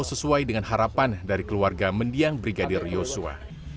sesuai dengan harapan dari keluarga mendiang brigadir yosua